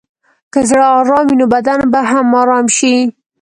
که زړه ارام وي، نو بدن به هم ارام شي.